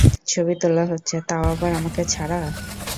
ছবি তোলা হচ্ছে তাও আবার আমাকে ছাড়া?